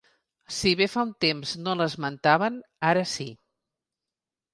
Si bé fa un temps no l’esmentaven, ara sí.